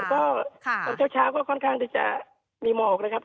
บรรยากาศก็เช้าก็ค่อนข้างจะมีหมอกนะครับ